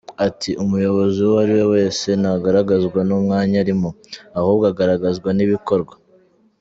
Ati “Umuyobozi uwo ari we wese ntagaragazwa n’umwanya arimo, ahubwo agaragazwa n’ibikorwa.